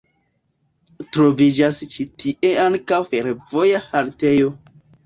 Troviĝas ĉi tie ankaŭ fervoja haltejo.